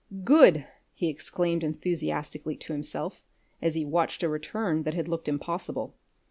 "Good!" he exclaimed enthusiastically to himself, as he watched a return that had looked impossible.